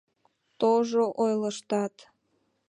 Тожо ойлыштат!